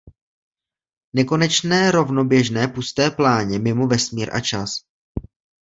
Nekonečné rovnoběžné pusté pláně mimo vesmír a čas.